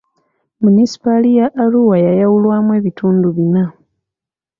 Munisipaali ya Arua yayawulwamu ebitundu bina.